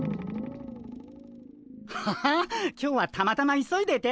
ハハ今日はたまたま急いでて。